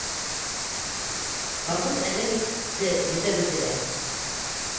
Колхоз әҙәм итте бөтәбеҙҙе лә.